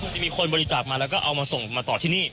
จะมีคนบริจาคมาแล้วก็เอามาส่งมาต่อที่นี่